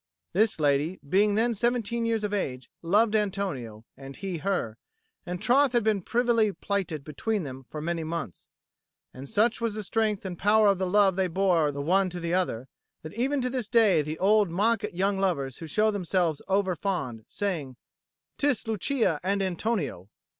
This lady, being then seventeen years of age, loved Antonio, and he her, and troth had been privily plighted between them for many months; and such was the strength and power of the love they bore the one to the other, that even to this day the old mock at young lovers who show themselves overfond, crying, "'Tis Lucia and Antonio!"